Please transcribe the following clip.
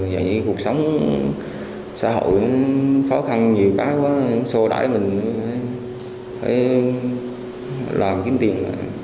giờ như cuộc sống xã hội khó khăn nhiều quá xô đáy mình phải làm kiếm tiền